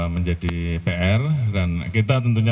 menjadi pr dan kita tentunya